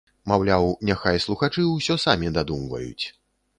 Маўляў, няхай слухачы ўсё самі дадумваюць.